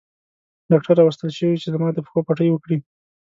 ډاکټر راوستل شوی وو چې زما د پښو پټۍ وکړي.